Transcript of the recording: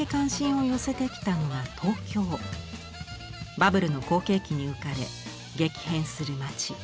バブルの好景気に浮かれ激変する街。